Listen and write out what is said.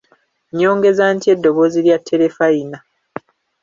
Nnyongeza ntya eddoboozi lya terefalina?